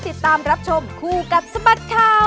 ติดตามรับชมคู่กับสบัดข่าว